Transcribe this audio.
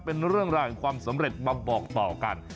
เป็นเรื่องราวของความสำเร็จมาบอกต่อกัน